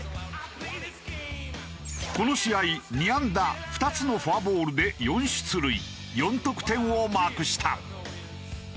この試合２安打２つのフォアボールで４出塁４得点をマークした。